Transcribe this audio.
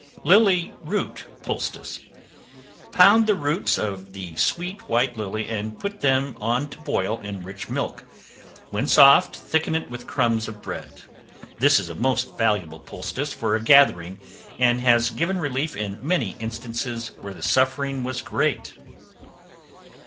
Lily Root Poultice. Pound the roots of the sweet white lily, and put them on to boil in rich milk; when soft, thicken it with crumbs of bread. This is a most valuable poultice for a gathering, and has given relief in many instances where the suffering was great.